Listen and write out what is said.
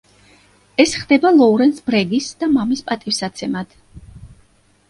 ეს ხდება ლოურენს ბრეგის და მამის პატივსაცემად.